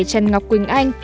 trần ngọc quỳnh anh